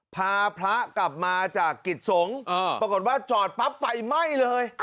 พาพระกลับมาจากกิจสงฆ์ปรากฏว่าจอดปั๊บไฟไหม้เลย